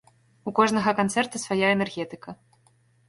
У кожнага канцэрта свая энергетыка.